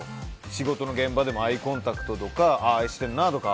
仕事の現場でもアイコンタクトとかしてるなとか。